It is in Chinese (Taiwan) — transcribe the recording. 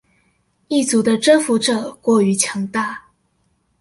異族的征服者過於強大